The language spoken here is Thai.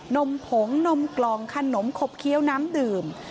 นมผงนมกล่องขนมขบเคี้ยวน้ำดื่ม